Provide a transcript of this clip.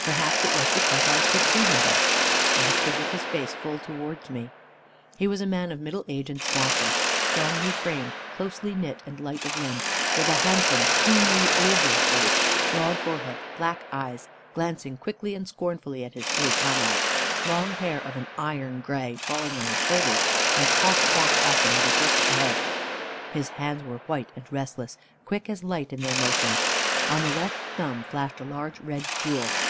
Perhaps it was because I could see him best, for he stood with his face full towards me. He was a man of middle age and stature, strongly framed, closely knit, and light of limb, with a handsome, keenly oval face, broad forehead, black eyes, glancing quickly and scornfully at his three comrades, long hair of an iron grey, falling on his shoulders, and tossed back often with a jerk of the head. His hands were white and restless, quick as light in their motion. On the left thumb flashed a large red jewel.